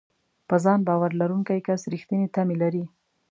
په ځان باور لرونکی کس رېښتینې تمې لري.